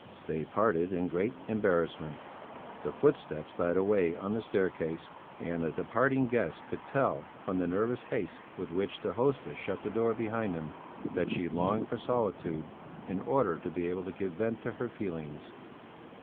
They parted in great embarrassment. The footsteps died away on the staircase and the departing guests could tell from the nervous haste with which the hostess shut the door behind them that she longed for solitude in order to be able to give vent to her feelings.